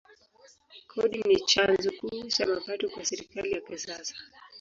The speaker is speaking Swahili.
Kodi ni chanzo kuu cha mapato kwa serikali ya kisasa.